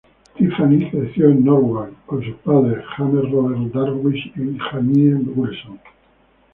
Tiffany creció en Norwalk con sus padres James Robert Darwish y Janie Wilson.